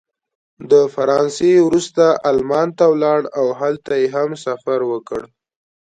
د فرانسې وروسته المان ته ولاړ او هلته یې هم سفر وکړ.